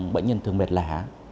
bệnh nhân thường mệt lẻ